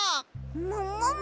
ももも！？